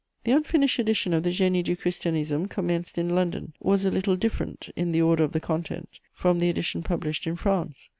The unfinished edition of the Génie du Christianisme, commenced in London, was a little different, in the order of the contents, from the edition published in France.